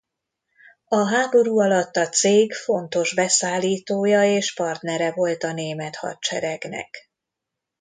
A háború alatt a cég fontos beszállítója és partnere volt a német hadseregnek.